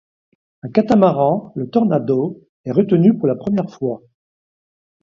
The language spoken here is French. Un catamaran, le Tornado, est retenu pour la première fois.